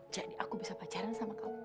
jadi aku bisa pacaran sama kamu